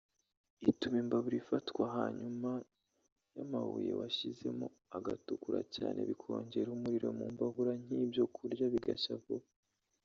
ituma imbabura ifatwa hanyuma ya mabuye washyizemo agatukura cyane bikongera umuriro mu mbabura n’ibyo kurya bigashya vuba